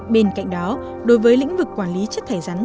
bên cạnh đó đối với lĩnh vực quản lý chất thải rắn